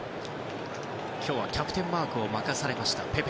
今日はキャプテンマークを任されました、ペペ。